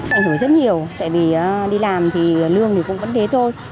ảnh hưởng rất nhiều tại vì đi làm thì lương thì cũng vẫn thế thôi